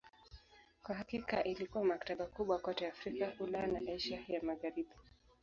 Kwa hakika ilikuwa maktaba kubwa kote Afrika, Ulaya na Asia ya Magharibi.